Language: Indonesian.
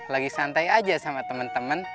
lagi santai aja sama temen temen